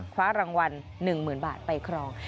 คว้ารางวัล๑๐๐๐บาทไปครอง